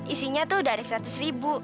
isinya tuh udah ada seratus ribu